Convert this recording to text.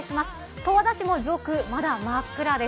十和田市も上空、まだ真っ暗です。